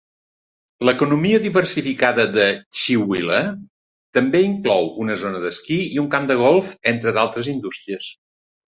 L'economia diversificada de Chewelah també inclou una zona d'esquí i un camp de golf, entre d'altres indústries.